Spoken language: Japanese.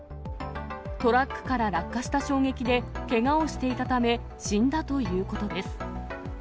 トラックから落下した衝撃で、けがをしていたため、死んだということです。